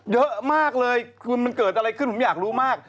เยอะมากเลยคือมันเกิดอะไรขึ้นผมอยากรู้มาก